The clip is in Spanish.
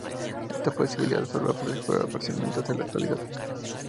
Esta posibilidad sólo ha perdurado parcialmente hasta la actualidad.